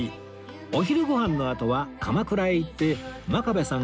お昼ごはんのあとは鎌倉へ行って真壁さん